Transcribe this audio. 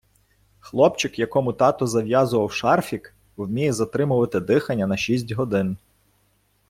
Хлопчик якому тато зав'язував шарфік, вміє затримувати дихання на шість годин